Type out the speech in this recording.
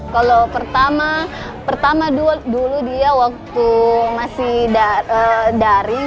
kalau pertama pertama dulu dia waktu masih dari